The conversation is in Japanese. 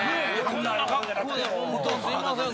こんな格好で本当すいません